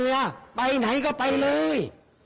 พ่อภรรยาไปไหนก็ไปเลย